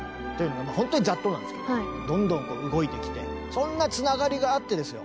ほんとにざっとなんですけれどもどんどん動いてきてそんなつながりがあってですよ